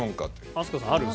飛鳥さんある？